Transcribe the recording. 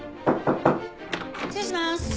失礼します。